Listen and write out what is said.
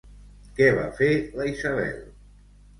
Què va fer la Isabel?